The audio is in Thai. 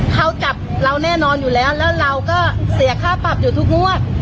เขาจับเราแน่นอนอยู่แล้วแล้วเราก็เสียค่าปรับอยู่ทุกงวด